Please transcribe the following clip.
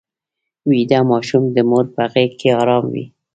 ویده ماشوم د مور په غېږ کې ارام وي